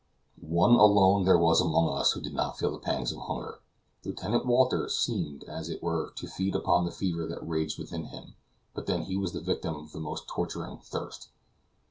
One alone there was among us who did not feel the pangs of hunger. Lieutenant Walter seemed as it were to feed upon the fever that raged within him; but then he was the victim of the most torturing thirst.